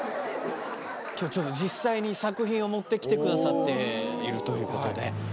今日実際に作品を持って来てくださっているということで。